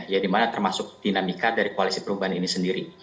ya dimana termasuk dinamika dari koalisi perubahan ini sendiri